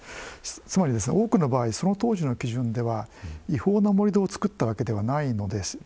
つまりですね多くの場合当時の基準では違法な盛土を造ったわけではないんです。